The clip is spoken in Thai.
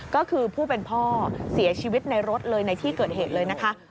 ก็คือผู้เป็นพ่อเสียชีวิตในรถเลยในที่เกิดเหตุเลยนะคะ